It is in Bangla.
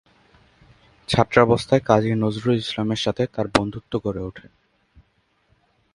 ছাত্রাবস্থায় কাজী নজরুল ইসলামের সাথে তাঁর বন্ধুত্ব গড়ে ওঠে।